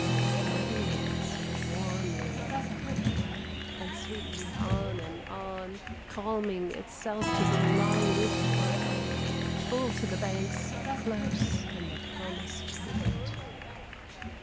And never yet so warmly ran my blood And sweetly, on and on Calming itself to the long wish'd for end, Full to the banks, close on the promised good.